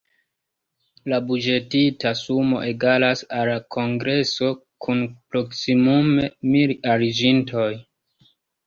La buĝetita sumo egalas al kongreso kun proksimume mil aliĝintoj.